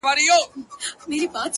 زما په سترگو كي را رسم كړي ـ